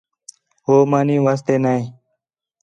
ہو مانی واسطے نے